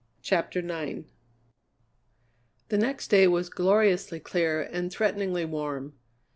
CHAPTER IX The next day was gloriously clear and threateningly warm.